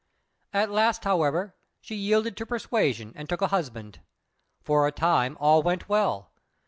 At last, however, she yielded to persuasion and took a husband. For a time all went well.